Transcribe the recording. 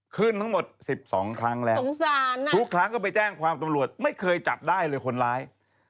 ขึ้นทั้งหมด๑๒ครั้งแล้วสงสารนะทุกครั้งก็ไปแจ้งความตำรวจไม่เคยจับได้เลยคนร้าย